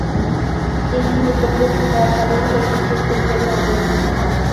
দিল্লির নিকটবর্তী হওয়ার কারণে এটি শিল্পের জন্য আদর্শ স্থান।